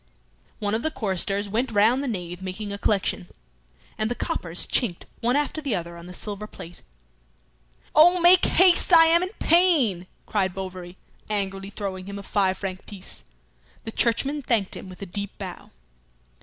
One of the choristers went round the nave making a collection, and the coppers chinked one after the other on the silver plate. "Oh, make haste! I am in pain!" cried Bovary, angrily throwing him a five franc piece. The churchman thanked him with a deep bow.